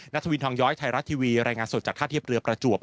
ทวินทองย้อยไทยรัฐทีวีรายงานสดจากท่าเทียบเรือประจวบ